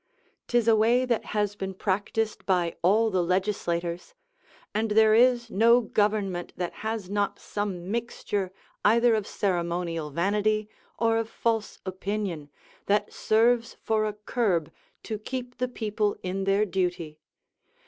'Tis a way that has been practised by all the legislators: and there is no government that has not some mixture either of ceremonial vanity or of false opinion, that serves for a curb to keep the people in their duty.